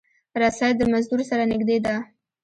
رسۍ د مزدور سره نږدې ده.